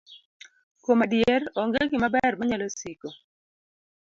Kuom adier, onge gimaber manyalo siko.